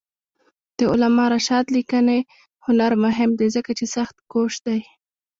د علامه رشاد لیکنی هنر مهم دی ځکه چې سختکوش دی.